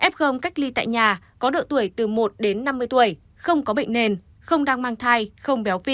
f cách ly tại nhà có độ tuổi từ một đến năm mươi tuổi không có bệnh nền không đang mang thai không béo phì